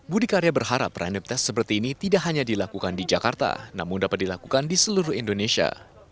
budi karya berharap random test seperti ini tidak hanya dilakukan di jakarta namun dapat dilakukan di seluruh indonesia